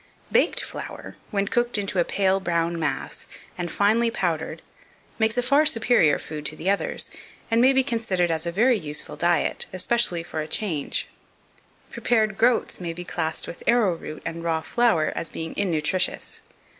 2500. Baked flour, when cooked into a pale brown mass, and finely powdered, makes a far superior food to the others, and may be considered as a very useful diet, especially for a change. Prepared groats may be classed with arrowroot and raw flour, as being innutritious.